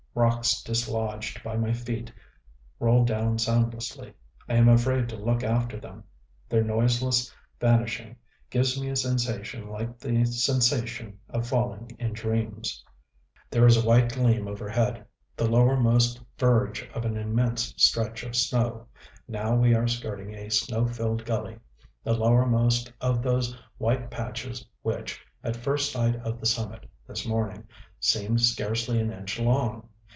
Rocks dislodged by my feet roll down soundlessly; I am afraid to look after them. Their noiseless vanishing gives me a sensation like the sensation of falling in dreams.... There is a white gleam overhead the lowermost verge of an immense stretch of snow.... Now we are skirting a snow filled gully, the lowermost of those white patches which, at first sight of the summit this morning, seemed scarcely an inch long.